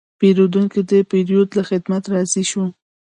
پیرودونکی د پیرود له خدمت راضي شو.